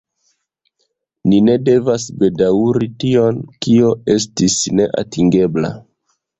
Ni ne devas bedaŭri tion, kio estis neatingebla.